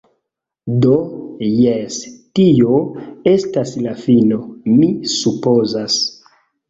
Do, jes, tio estas la fino, mi supozas.